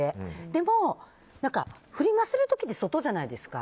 でも、フリマする時に外じゃないですか。